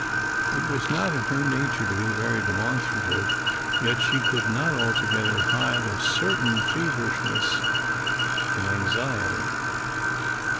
It was not in her nature to be very demonstrative, yet she could not altogether hide a certain feverishness and anxiety.